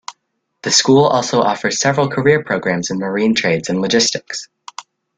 The school also offers several career programs in marine trades and logistics.